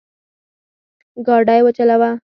ګاډی وچلوه